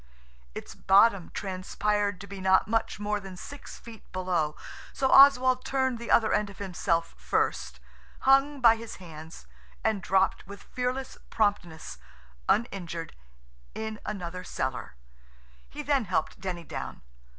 Its bottom transpired to be not much more than six feet below, so Oswald turned the other end of himself first, hung by his hands, and dropped with fearless promptness, uninjured, in another cellar. He then helped Denny down.